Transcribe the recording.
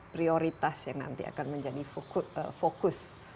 prioritas yang nanti akan menjadi fokus